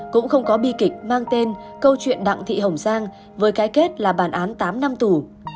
cũng không có bi kịch mang tên câu chuyện đặng thị hồng giang với cái kết là bản án tám năm tù